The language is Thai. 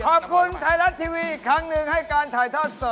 ขอบคุณไทยรัฐทีวีอีกครั้งหนึ่งให้การถ่ายทอดสด